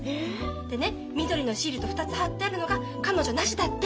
でね緑のシールと２つ貼ってあるのが彼女なしだって。